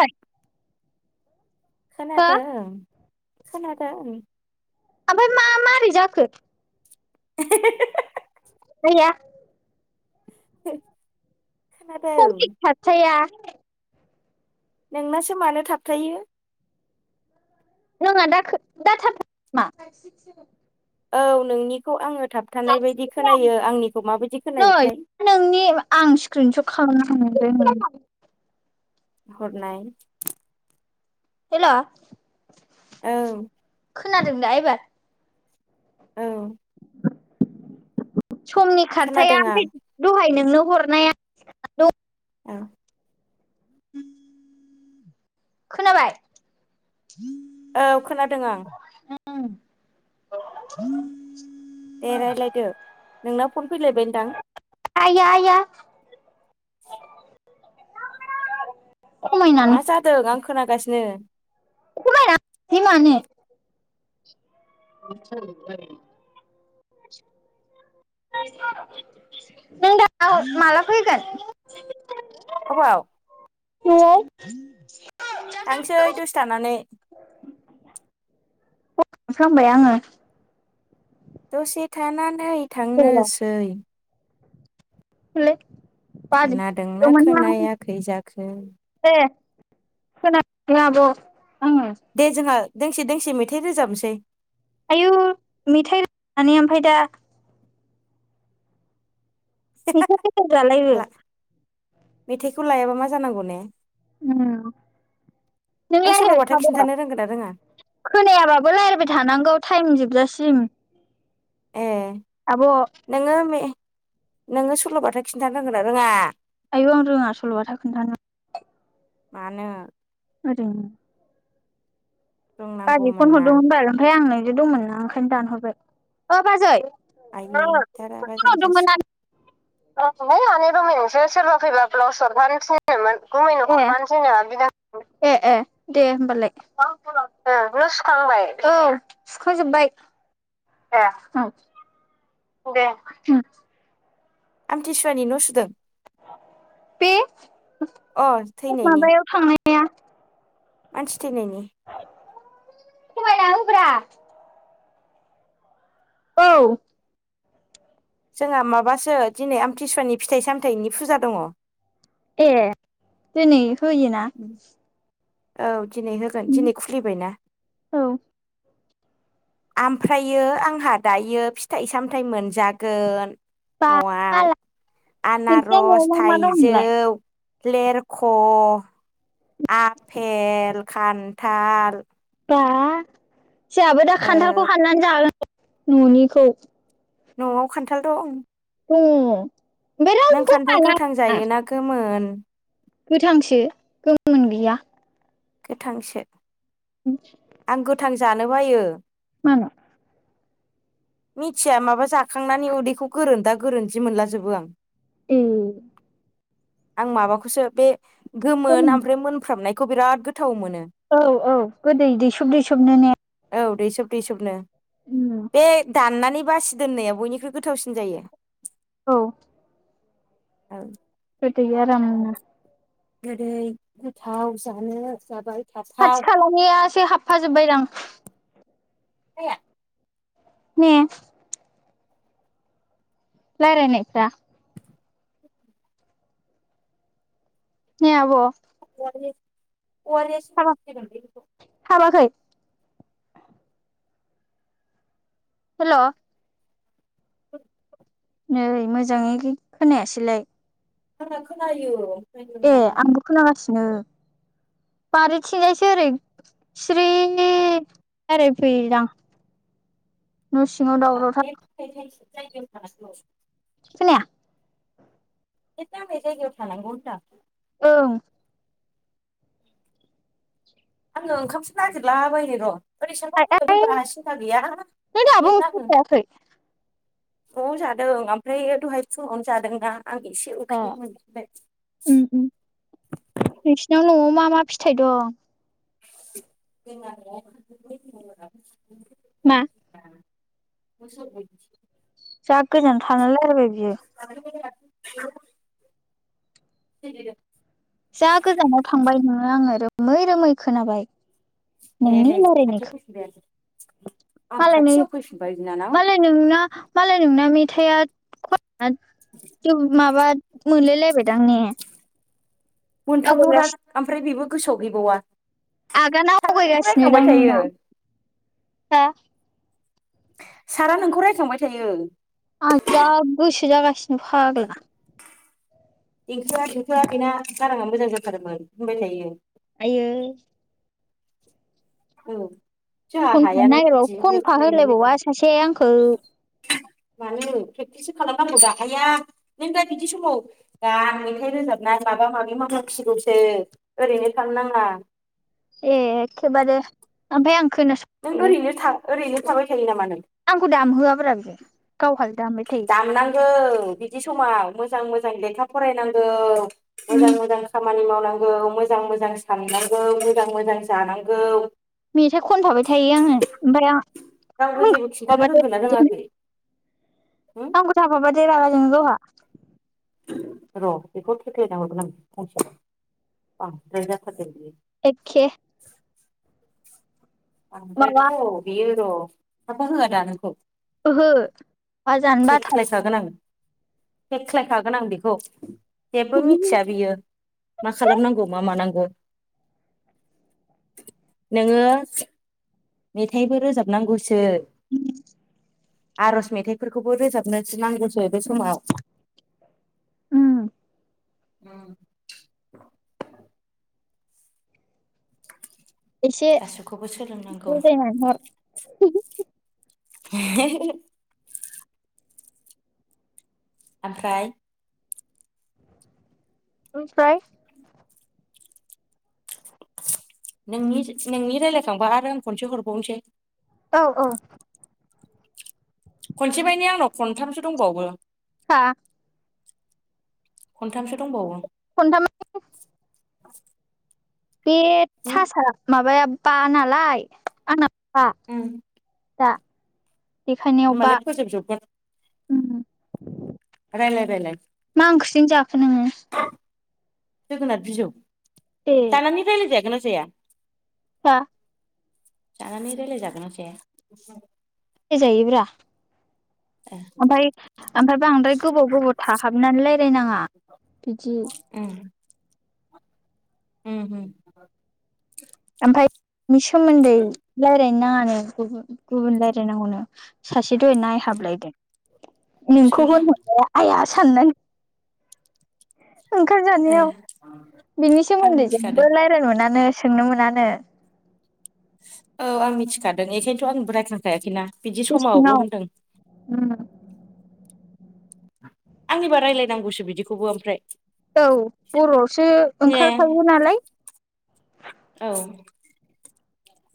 हो खोनादों ओमफ्राय खोनादों आमफ्राय मा मारै जाखो।। [inaudible] आया बे खमफिग थाखाया। नोंनासो मानो थाबथायो। नङा खो दाथाब नामा औ नोंनिखौ आङो थाबथानाय बायदि खोनायो आंनिखौ माबायदि नै खोनायोथाय आ द [inaudible] हरनाय हेल' औ खोनादों दा एबार औ। समनि खारथाया खोनादों आं ओमफ्राय दहाय नोंनो हरनाया। औ उ [inaudible] खोनाबाय औ खोनादों आं। ओम। दे रायज्लायदो नोंनाव फन फैलायबायदां आया आया मा जादों आं खोनागासिनो खमायला बे मानो। स ज [inaudible] नों दा माला फैगोन अबाव नआव थांसै दसे थानानै। फ खालामांबाय आङो। दसे थानानै थांनोसै। हरलाय बाजो खोनादोंना दोंमोन आङो खोनायाखै जाखो ए। खोनादोंना आब'? दे जोंहा दोंसे दोंसे मेथाइ रोजाबनोसै। आयु मेथाइ रो नानै ओमफ्राय दा बिसालाय इ [inaudible] ला मेथाइखौ लायाबा मा जानांगौ ने? ओम नों नों सल'बाथा रायलायबायथादोब्रा। खिन्थानो रोंगोन ना रोङा खोनायाबाबो रायज्लायबाय थानांगौ टाइम जोबजासिम। ए आब' नोङो नोङो सल'बाथा खिन्थानो रांगोन ना रोङा? आयौ आं रोङा सल'बाथा खोन्थानो मानो? ओैरैनो बाजै रोंनांगौमोन फन ना हरदोंमोनबाल ओमफ्राय आं नोंजो दंमोन ना ओंखायनो दानहरबाय ओ बाजै आयै दा रागा जोंजासिगोन औ हैै आनै रुमाय नोंसो सोरबा फैबा ब्लाउस हरफानो थिननोमोन गुमैनो हमफानोसैनो आनैआ ए ए दे होमबालाय ओ न सुखांबाय औ सुखांजोब बाय ए औ दे ओम आमथि सुवानि न सुदों दे अ थैनायनि माबायाव थांनाय मानसि थैनायनि खमायना होब्रा औ जोंहा माबासो दिनै आमथिसुवानि फिथाइ सामथाइनि फुजा दङ ए दिनै होयोना? औ दिनै होगोन दिनै खुलिबायना औ आमफ्रायो आंहा दायो फिथाइ सामथाइ मोनजागोन बा नआव नोंसिना न'आव आनारस मा मा दं थाइजौ नोंलाय लेरख आफेल खान्थाल बा जाहाबो दा ओ खान्थालखौ हाननानै जागोन ननिखौ नआव खान्थाल दं दंङ नों खान्थाल गोथां जायोना गोमोन? गोथांसो गोमोन गैया गोथांसो आं गोथां जानो बायो मानो? मिथिया माबा जाखांनानै उदैखौ गोरोन्दा गोरोन्दि मोनलाजोबो आं ए आं माबाखौसो बे गोमोन आमफ्राय मोनफ्रामनायखौ बिराद गोथाव मोनो औ औ गोदै दैसब दैसबनो ने औ दैसोब दैसोबनो बे दाननानै नै बासि दोननाया बयनिख्रुइ गोथावसिन जायो औ औ गोदै आरामनो गोदै गोथाव जानो जाबाय थाथाव खाथि खालानिया एसे हाबफा जोबबायदां माया? ने लारायनायफ्रा ने आब [unintelligible] हाबाखै हेल [inaudible] नै मोजाङै खोनायासैलाय आंना खोनायो ओमफ्राय ए नोंनानै आंबो खोनागासिनो बारिथिंजायसो ओरै सिरि रायलायफैयोदां [inaudible] न सिङाव दावरावथार नेट [unintelligible] खोनाया नेथ नांनाय जायगायाव थानांगौ होनदां ओं आङो ओंखामसो नागिरलाबायायनो र नों दाबो [unintelligible] ओंखाम जायाखै ए नआव जादों ओमफ्राय दहाय फुङावनो जादोंना आं एसे उखैनाय मोनफिबाय उम उम नोंसिनाव न'आव मा मा फिथाइ दं जोंना नआव [unintelligible] मा? [unintelligible] जा गोजान थाना राइलाबाय बियो [inaudible] जा गोजानाव थांबाय नोङो आङो रोमै रोमै खोनाबाय ए नोंनि ए रायलायनायखौ खाथियाव फैफिनबायानो मालाय नि बिनानाव मालाय नोंना मालाय नोंना मेथाइआ उम माबा मोनलाइलायबायदां मोनथामल'रा आवगायगासिनो ओमफ्राय बेबो गोसोआव गैबावा आगान सारा नोंखौ आवगायगासिनो रायखांबाय दां थायो नोंना हो सारा नोंखौ रायखांबाय थायो आं जा गोसो जागासिनो फाग्ला ऐंखोआ थेंखोआ बेना गाराङा मोजां जाथारोमोन होनबाय थायो आयै औ जोंहा खनफा हायानो नागिरबाबो बिदि खनफा नोंनि बायदि होलायबावा सासे आंखौ [inaudible] मानो प्रेकटिससो खालामनांगौ दाखाया नों दा बिदि समाव दा मेथाइ रोजाबनाय माबा माबा माबि मावनां सिगौसो ओरैनो खालाम नाङा। ए एखेबारे ओमफाय आं नों खोनासंयो ओरैनो था ओरैनो थाबाय थायो नामा नों आंखौ दामहोआब्रा बियो गावहा दामनांगौ बिदि समाव मोजां मोजां लेखा फरायनांगौ मोजां उम मोजां खामानि मावनांगौ मोजां मोजां साननांगौ मोजां मोजां जानांगौ मेथाइ खनथाबाय थायो आङो ओमफ्राय रावबो आं जेबो खिन्थानो रोंगोन ना माबाथाय रोङाखै हो आंखौ थाफाबाथाइ रागा जोंङो गावहा र' बेखौ थेख्लायना हरगोन आं फंसे बांद्राइ जाथारदों बियो एखे माबा ओमफ्रायथ' बियो र' थाफा होआ दा नोंखौ ओहो बाजानबा थार थेख्लायखागोन आं थेख्लायखागोन आं बेखौ जेबो बाथारो मिथिया बियो मा खालामनांगौ मा मानांगौ ओ नोङो मेथाइबो रोजाबनांगौसो आरज मेथाइफोरखौबो रोजाबनोसनांगौसो बे समाव उम उ एसे गासिबखौबो सोलोंनांगौ बुजायनानैहर उम उम ओमफ्राय ओमफ्राय नोंनि नोंनि रायलायखांबा आरो आं खनसे हरबावनोसै औ औ खनसे बायनि आंनाव खनथामसो दंबावो हा खनथामसो दंबावो खन्थाम [inaudible] बे थासा माबाया बा नालाय आंना बा होमबालाय दा देखायनायाव आं बा मानि फोजोब जोबगोन। उम रायलाय रायलाय मा ओंख्रिजों जाखो नोङो जोगोनार बिजौ जानानै रायलायजागोन ना जाया बा जानानै रायलाय जागोन ना जाया यजायोब्रा ए ओमफाय ओमफाय बांद्राय गोबाव गोबाव थाहाबनानै रायलाय नाङा बिदि उम उम होम ओमफाय बि सोमोन्दै गुबुन गुबुन रायलायनांगौनो सासे थो दहाय उम नायहाबलायदों सोर नोंखौबो आइया साननाय ओंखाम ए जानायाव बिनि आं सोमोन्दै मिथिखादों जेबबो रायलाय मोनानो सोंनो मोनानो नो औ आं मिथिखादों बेखायनोथ' आंबो रायखांखायाखैना बिदि बे समावल' सिङाव होनदों उम आंनिबा रायलायनांगौसो बिदिखौबो ओमफ्राय औ बर'आवसो ने ओंखारफायो नालाय औ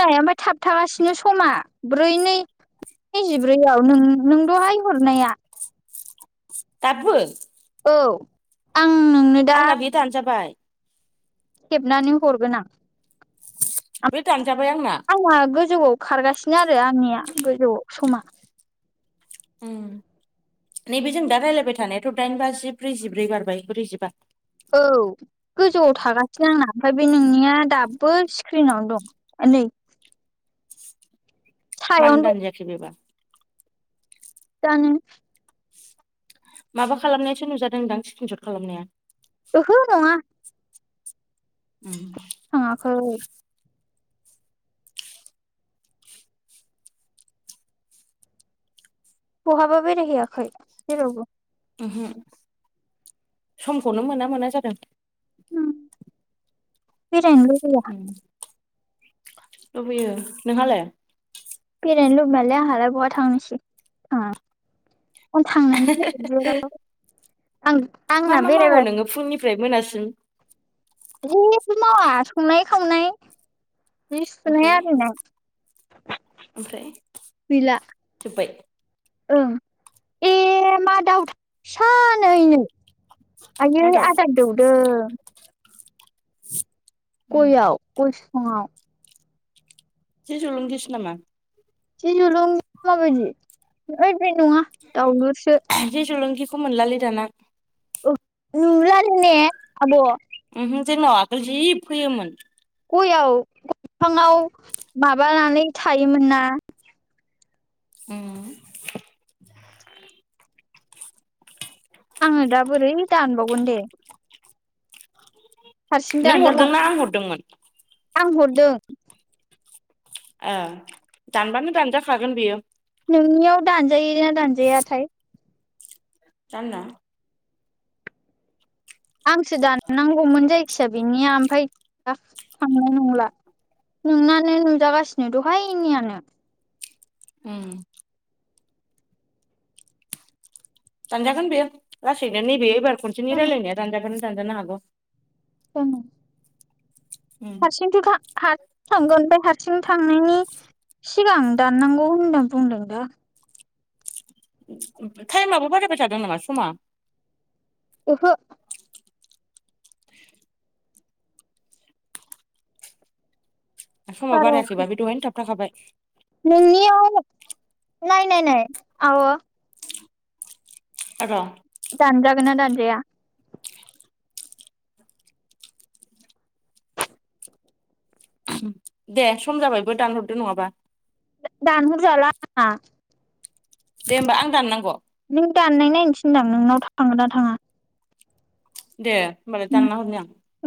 नाय ओमफ्राय थाबथाबासिनो समा ब्रै नै नैजिब्रैआव नों नों दहाय हरनाया दाबो औ आ आंना बि दान जाबाय खेबनानै हरगोन आं बे दान आंना गोजौआव खारगासिनो आरो आंनिया गोजौआव समा उम नैबे जों दा रायलायबाय थानायाथ' दाइन बाजि ब्रैजिब्रै बारबाय ब्रैजिबा औ गोजौआव थागासिनो आंना ओमफ्राय बे नोंनिया दाब बो स्क्रिनाव दं नै मानो सायावनो दानजा खिलिबा जानो माबा खालामनायासो नुजादोंदां स्क्रिनसट खालामनाया ओहो नङा [unintelligible] थाङाखै बहाबा बेराय हैयाखै जेरावबो उमहम समखौनो मोना मोना जादों बेरायनो लुगैया उम, लुबैयो नोंहालाय बेरायनो लुबैमालाय आंहालाय बहा थांनोसै थांनोनो जायाखै जेराव आं मा आंना मा मावो बेरायबा नोङो फुंनिफ्राय मोनासिम जेबो मावा संनाय खावनाय जि सुनाय ओमफ्राय आरिनाय ओमफ्राय गैला जोब्बाय ओं ए मा दउथु फिसानो ऐनै मा आयै दाउ आदार दौदों [inaudible] गयआव गय फिफाङाव जे जलुंगिसो नामा जे जलुंगि माबायदि ओइ बे नङा दाउलुरसो खौ मोनलालै दाना नुलानो ने आब' जोंनाव आगोल जि फैयोमोन गयाव बिफाङाव माबानानै थायोमोन ना उम आङो दा बोरै दानबावगोन दे हारसिं नों दानजालां हरदोंना आं हरदोंमोन आं हरदों दानबानो दानजाखागोन बियो नोंनियाव दानजायो ना दानजायाथाय जानना [unintelligible] आंसो दाननांगौमोन जायखिजया बेनिया ओमफ्राय थांनाय नंला नोंनानो नुजागासिनो दहायनियानो ओ दानजागोन बेयो लासैनो नैबे एबार खनसेनि रायजलायनाया दानजागोन दानजानो हागौ दङो उम, हारसिंसोखा थांगोन ओमफ्राय हारसिं थांनायनि सिगां दाननांगौ होनना बुंदों दा टाइमाबो बारायबाय थादों नामा समा ओहो। समाव बारायानो बारायाखै जोबाखै दहायनो थाबथाखाबाय नोंनियाव नायनाय नाय आब' र' दानजागोना दानजाया दे सम जाबायबो दानहरदो नङाबा दानहर जाला आंना दे होमबा आं दाननांगौ नों दाननाय नायनो थिनदां नोंनाव थांगोना थाङा दे होमबालाय दानना हरनि आं औ